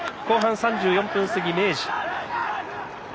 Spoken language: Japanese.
後半３４分過ぎ、明治。